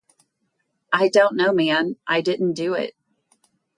I don't know man, I didn't do it.